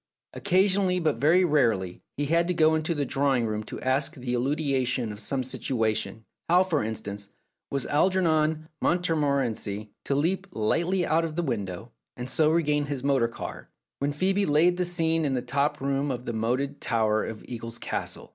Occasionally, but very rarely, he had to go into the drawing room to ask the elucidation of some situa tion : how, for instance, was Algernon Montmorency to leap lightly out of the window, and so regain his motor car, when Phcebe had laid the scene in the top room of the moated tower of Eagles Castle